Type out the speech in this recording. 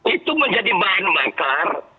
itu menjadi bahan bakar